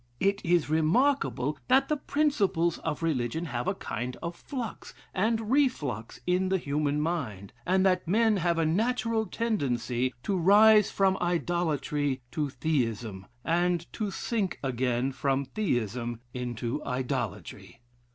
It is remarkable, that the principles of religion have a kind of flux and reflux in the human mind, and that men have a natural tendency to rise from idolatry to Theism, and to sink again from Theism into idolatry.